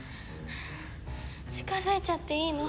近づいちゃっていいの？